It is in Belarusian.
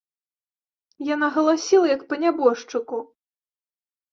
Яна галасіла, як па нябожчыку.